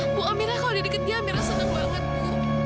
ibu amirah kalau di deket dia amirah senang banget ibu